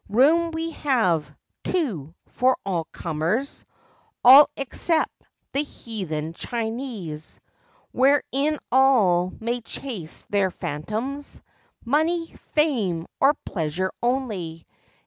Room we have, too, for all comers (All except the heathen Chinese), Wherein all may chase their phantoms— Money, fame, or pleasure only!